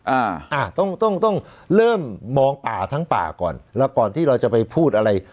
อ่าอ่าต้องต้องต้องเริ่มมองป่าทั้งป่าก่อนแล้วก่อนที่เราจะไปพูดอะไร